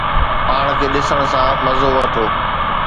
پاڻ کي ڏسڻ سان مزو وٺو